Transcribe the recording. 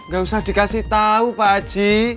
gak usah dikasih tau pak aji